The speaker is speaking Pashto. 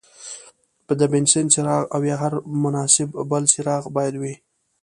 د بنسن څراغ او یا هر مناسب بل څراغ باید وي.